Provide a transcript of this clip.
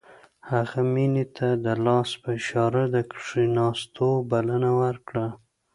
هغه مينې ته د لاس په اشاره د کښېناستو بلنه ورکړه.